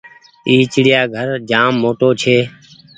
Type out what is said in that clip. اي چڙيآ گهر جآم موٽو ڇي۔